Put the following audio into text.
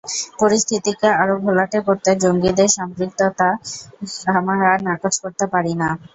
পরিস্থিতিকে আরও ঘোলাটে করতে জঙ্গিদের সম্পৃক্ততা আমরা নাকচ করতে পারি না।